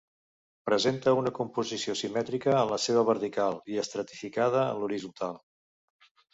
Presenta una composició simètrica en la seva vertical i estratificada en horitzontal.